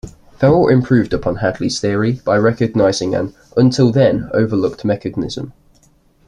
Ferrel improved upon Hadley's theory by recognizing an until then overlooked mechanism.